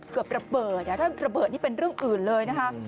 เกือบระเบิดถ้าระเบิดนี่เป็นเรื่องอื่นเลยนะคะ